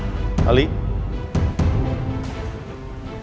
kenapa ada sesuatu yang terjadi pas aku pergi ke rumah